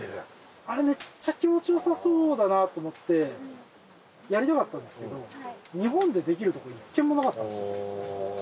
あれめっちゃ気持ちよさそうだなと思ってやりたかったんですけど日本でできるとこ１軒もなかったんですよ。